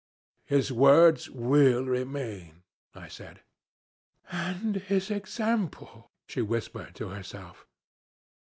"'His words will remain,' I said. "'And his example,' she whispered to herself.